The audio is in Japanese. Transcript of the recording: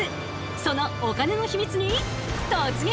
そのお金の秘密に突撃！